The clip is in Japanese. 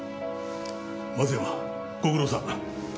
松山ご苦労さん。